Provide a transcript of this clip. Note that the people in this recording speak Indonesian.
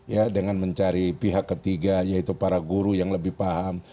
ya dengan mencari pihak ketiga yaitu para guru yang lebih paham